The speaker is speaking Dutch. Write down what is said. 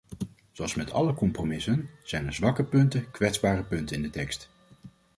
Zoals met alle compromissen zijn er zwakke punten, kwetsbare punten in de tekst.